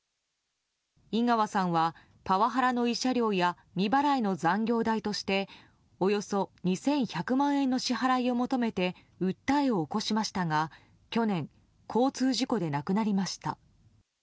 井川さんはパワハラの慰謝料や未払いの残業代としておよそ２１００万円の支払いを求めて訴えを起こしましたが去年、交通事故で亡くなりました。